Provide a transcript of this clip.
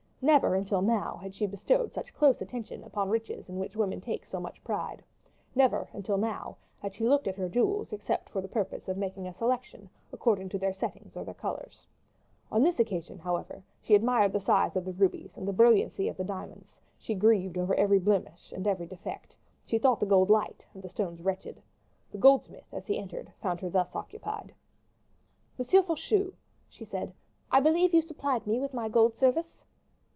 Never, until now, had she bestowed such close attention upon riches in which women take so much pride; never, until now, had she looked at her jewels, except for the purpose of making a selection according to their settings or their colors. On this occasion, however, she admired the size of the rubies and the brilliancy of the diamonds; she grieved over every blemish and every defect; she thought the gold light, and the stones wretched. The goldsmith, as he entered, found her thus occupied. "M. Faucheux," she said, "I believe you supplied me with my gold service?"